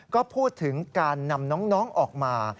ก็พูดถึงการนำน้องออกมา